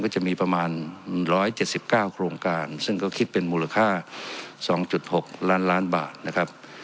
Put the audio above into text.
ก็จะมีประมาณร้อยเจ็ดสิบเก้าโครงการซึ่งก็คิดเป็นมูลค่าสองจุดหกลานล้านบาทนะครับ